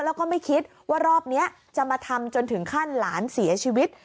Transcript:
แล้วก็ไม่คิดว่ารอบนี้จะมาทำจนถึงขั้นหลานเสียชีวิต